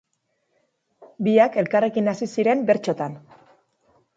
Biak elkarrekin hasi ziren bertsotan.